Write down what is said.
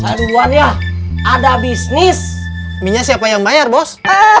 aduh duluan ya ada bisnis minyak siapa yang bayar bos